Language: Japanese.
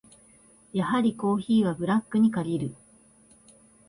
やはりコーヒーはブラックに限る。